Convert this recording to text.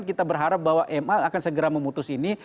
kita berharap bahwa ma akan segera memutus ini